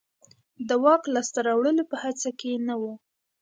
د واک لاسته راوړلو په هڅه کې نه و.